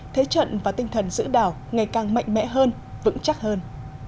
thế trận và tinh thần giữ đảo ngày càng mạnh mẽ hơn vững chắc hơn